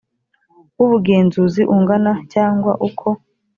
w ubugenzuzi ungana cyangwa uko